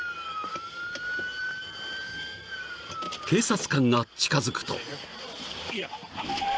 ［警察官が近づくと］